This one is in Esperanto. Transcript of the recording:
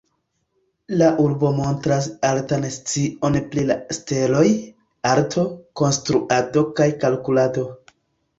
La urbo montras altan scion pri la steloj, arto, konstruado kaj kalkulado.